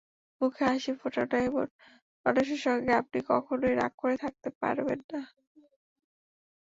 মুখে হাসি ফোটানোএমন মানুষের সঙ্গে আপনি কখনোই রাগ করে থাকতে পারেন না।